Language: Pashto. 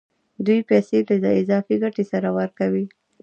دوی پیسې له اضافي ګټې سره ورکوي